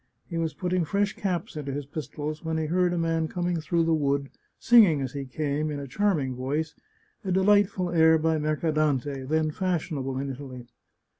He was putting fresh caps into his pistols when he heard a man coming through the wood, singing, as he came, in a charming voice, a delight ful air by Mercadante, then fashionable in Italy.